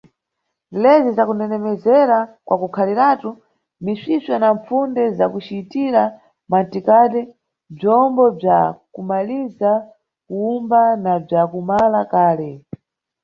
Lezi za kundendemezera kwa kukhaliratu, misvisvo na mpfunde za kucitira mantikade bzombo bza kumaliza kuwumba na bza kumala kale.